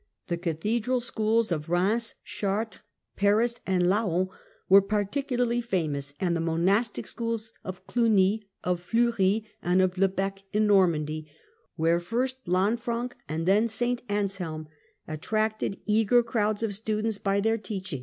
The cathedral schools of Eheims, Chartres, Paris and Laon, were particularly famous, and the mon astic schools of Cluny, of Fleury, and of Le Bee in Normandy, where first Lanfranc, and then St Anselm, ttracted eager crowds of students by their teaching.